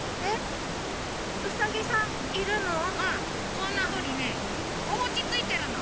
こんなふうにねおもちついてるの。